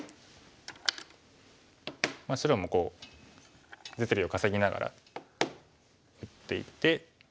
白もこう実利を稼ぎながら打っていて。